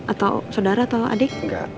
atau saudara atau adik